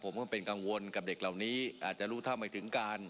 ผมก็เป็นกังวลกับเด็กเหล่านี้อาจจะรู้เท่าไม่ถึงการ